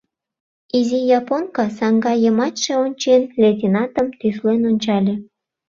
Изи японка, саҥга йымачше ончен, лейтенантым тӱслен ончале.